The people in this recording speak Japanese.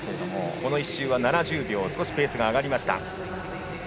この１周は７０秒とペースが上がりました。